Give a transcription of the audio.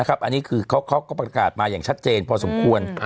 อันนี้คือเขาก็ประกาศมาอย่างชัดเจนพอสมควร